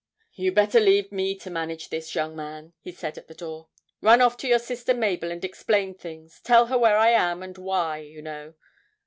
'You'd better leave me to manage this, young man,' he said at the door. 'Run off to your sister Mabel and explain things, tell her where I am and why, you know.'